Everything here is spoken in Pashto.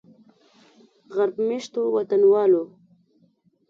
غرب میشتو وطنوالو